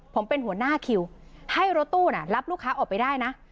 ผมเป็นหัวหน้าคิวให้รถตู้รับลูกค้าออกไปได้นะ